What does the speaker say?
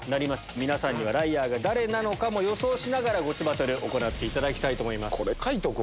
皆さんにはライアーが誰なのかも予想しながらゴチバトル行っていただきたいと思います。